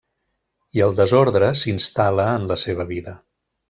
I el desordre s'instal·la en la seva vida.